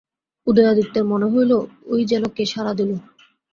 উদয়াদিত্যের মনে হইল, ওই যেন কে সাড়া দিল।